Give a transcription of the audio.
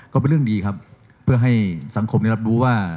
ก็เป็นเรื่องดีครับเพื่อให้สังคมได้รับรู้ว่า